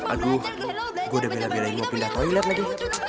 aduh gue udah bela belain mau pindah toilet lagi